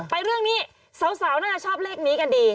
เรื่องนี้สาวน่าจะชอบเลขนี้กันดี